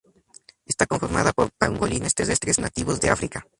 Está conformada por pangolines terrestres nativos de África.